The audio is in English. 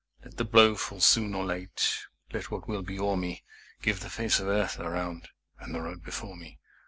Let the blow fall soon or late, Let what will be o'er me; Give the face of earth around, And the road before me.